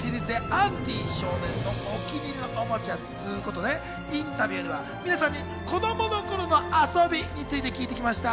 バズは『トイ・ストーリー』シリーズでアンディ少年のお気に入りのおもちゃということで、インタビューでは皆さんに子供の頃の遊びについて聞いてきました。